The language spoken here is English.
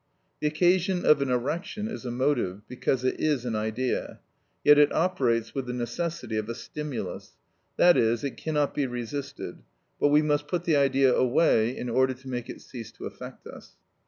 The occasion of an erection is a motive, because it is an idea, yet it operates with the necessity of a stimulus, i.e., it cannot be resisted, but we must put the idea away in order to make it cease to affect us.